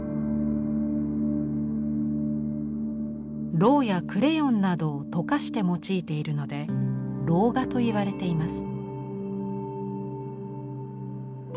ロウやクレヨンなどを溶かして用いているので「ロウ画」と言われています。